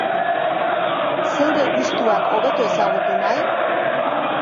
Zeure gustuak hobeto ezagutu nahi?